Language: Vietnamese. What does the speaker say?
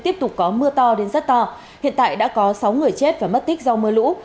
tiếp tục có mưa to đến rất to hiện tại đã có sáu người chết và mất tích do mưa lũ